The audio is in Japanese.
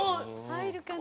入るかな？